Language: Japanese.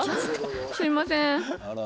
すいません。